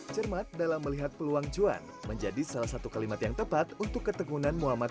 cermat dalam melihat peluang cuan menjadi salah satu kalimat yang tepat untuk ketegunan muhammad